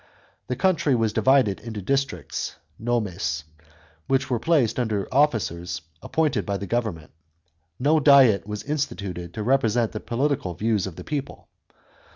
The country was divided into districts (nomes} which were placed under officers appointed by the government. No diet was instituted to represent the political views of the people.